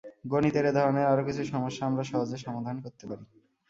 গণিতের এ ধরনের আরও কিছু সমস্যা আমরা সহজে সমাধান করতে পারি।